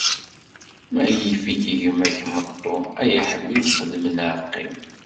Ma yif-ik gma-k meṭṭu, ay aḥbib xdem neɣ qqim.